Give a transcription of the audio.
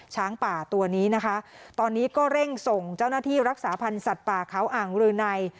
ช้างป่าตัวนี้นะคะตอนนี้ก็เร่งส่งเจ้าหน้าที่รักษาพันธ์สัตว์ป่าเขาอ่างรืนัย